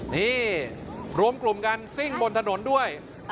นี่รวมกลุ่มกันซิ่งบนถนนด้วย